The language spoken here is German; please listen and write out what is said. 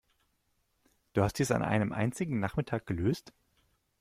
Du hast dies an einem einzigen Nachmittag gelöst?